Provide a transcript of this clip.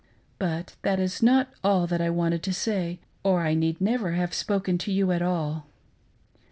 But that is not all I wanted to say, or I need never have spoken to you at all.